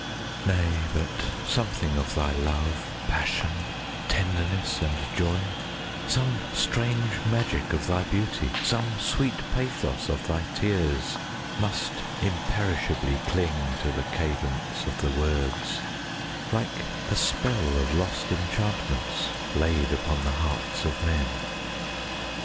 20 Nay, but something of thy love, Passion, tenderness, and joy, Some strange magic of thy beauty, Some sweet pathos of thy tears, Must imperishably cling 25 To the cadence of the words, Like a spell of lost enchantments Laid upon the hearts of men.